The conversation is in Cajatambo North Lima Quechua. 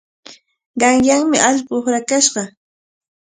Qanyanmi allqu uqrakashqa.